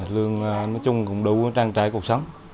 lương nói chung cũng đủ trang trải cuộc sống